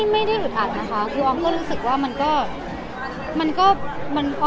ไม่ได้อึดอัดนะคะคืออ้อมก็รู้สึกว่ามันก็